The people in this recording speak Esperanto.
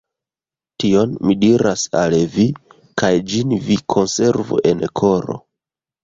Tion mi diras al vi, kaj ĝin vi konservu en koro.